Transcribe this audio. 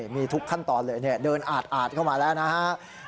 มีทุกขั้นตอนเลยเดินอาดเข้ามาแล้วนะฮะ